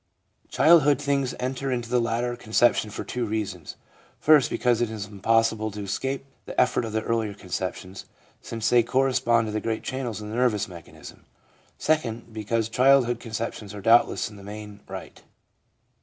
Childhood things then enter into the later conception for two reasons : first, because it is impossible to escape the effect of the earlier conceptions, since they corre spond to the great channels in the nervous mechanism ; second, because childhood conceptions are doubtless in the main right.